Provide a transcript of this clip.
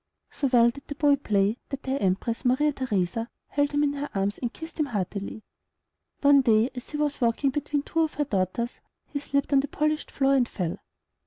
So well did the boy play, that the Empress Maria Theresa held him in her arms, and kissed him heartily. One day as he was walking between two of her daughters, he slipped on the polished floor and fell.